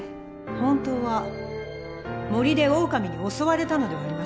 本当は森でオオカミに襲われたのではありませんか？